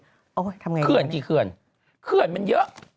ทำอย่างไรกันเนี่ยคืนจิคืนคืนมันเยอะ